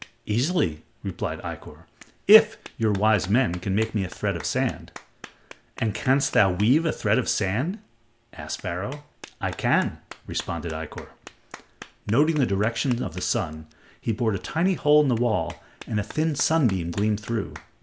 "Easily," replied Ikkor, "if your wise men can make me a thread of sand." "And canst thou weave a thread of sand?" asked Pharaoh. "I can," responded Ikkor. Noting the direction of the sun, he bored a tiny hole in the wall, and a thin sunbeam gleamed through.